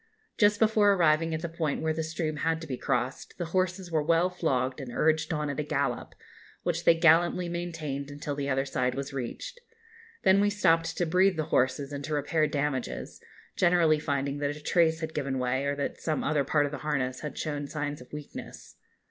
Just before arriving at the point where the stream had to be crossed, the horses were well flogged and urged on at a gallop, which they gallantly maintained until the other side was reached. Then we stopped to breathe the horses and to repair damages, generally finding that a trace had given way, or that some other part of the harness had shown signs of weakness.